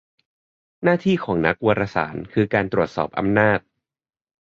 หน้าที่ของนักวารสาร คือการตรวจสอบอำนาจ